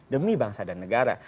demi bangsa dan negara